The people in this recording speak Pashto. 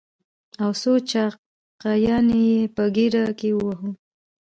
او څو چاقيانې يې په ګېډه کې ووهو.